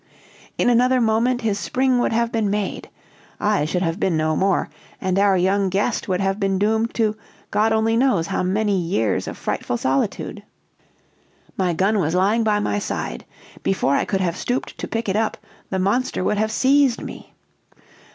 "In another moment his spring would have been made. I should have been no more, and our young guest would have been doomed to, God only knows how many, years of frightful solitude! "My gun was lying by my side. Before I could have stooped to pick it up, the monster would have seized me.